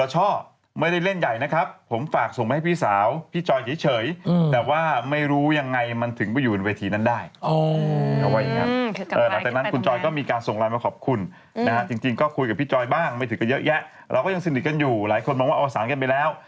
หลายคนมองว่าอัวสารกันไปแล้ว